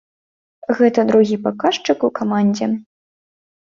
Гэта другі паказчык у камандзе.